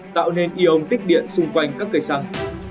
tạo nên ion tích điện xung quanh các cây xăng